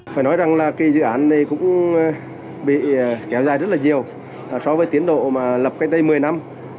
phải nói rằng là cái dự án này cũng bị kéo dài rất là nhiều so với tiến độ mà lập cách đây một mươi năm